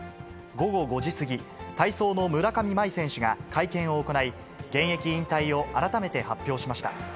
午後５時過ぎ、体操の村上茉愛選手が会見を行い、現役引退を改めて発表しました。